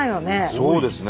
そうですね。